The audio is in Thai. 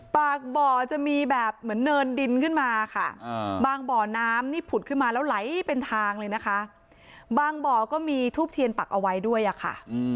ปากบ่อจะมีแบบเหมือนเนินดินขึ้นมาค่ะบางบ่อน้ำนี่ผุดขึ้นมาแล้วไหลเป็นทางเลยนะคะบางบ่อก็มีทูบเทียนปักเอาไว้ด้วยอะค่ะ